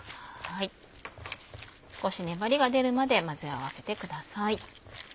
少し粘りが出るまで混ぜ合わせてください。